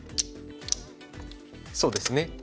そうですね